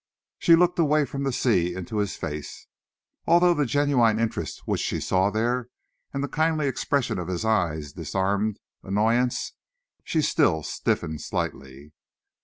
She looked away from the sea into his face. Although the genuine interest which she saw there and the kindly expression of his eyes disarmed annoyance, she still stiffened slightly.